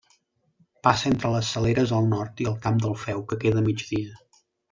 Passa entre les Saleres, al nord, i el Camp del Feu, que queda a migdia.